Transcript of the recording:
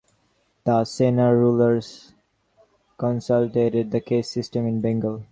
The Sena rulers consolidated the caste system in Bengal.